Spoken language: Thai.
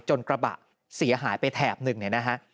จนกระบะเสียหายไปแถบหนึ่งนะฮะ